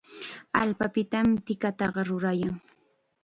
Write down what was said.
Allpapitam tikataqa rurayan.